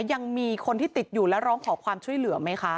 ยังมีคนที่ติดอยู่และร้องขอความช่วยเหลือไหมคะ